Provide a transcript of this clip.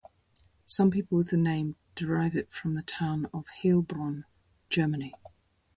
Some people with the name derive it from the town of Heilbronn, Germany.